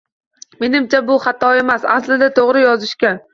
Menimcha, bu xatoyammas, aslida, toʻgʻri yozishgan